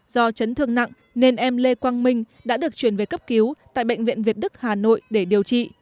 do chấn thương nặng nên em lê quang minh đã được chuyển về cấp cứu tại bệnh viện việt đức hà nội để điều trị